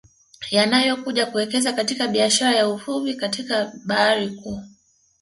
Yanayokuja kuwekeza katika biashara ya Uvuvi katika bahari kuu